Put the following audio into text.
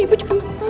ibu juga gak tau